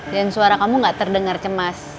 dan suara kamu nggak terdengar cemas